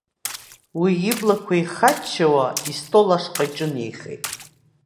Уи иблақәа ихаччауа истол ашҟа иҿынеихеит.